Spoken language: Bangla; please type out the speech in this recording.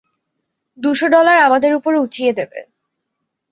দুশো ডলার আমাদের উপরে উঠিয়ে দেবে।